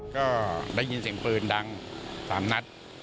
ก็ได้ยินเสียงปืนดัง๓นัด